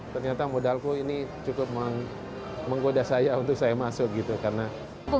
ternyata modalku ini cukup menggoda saya untuk saya masuk gitu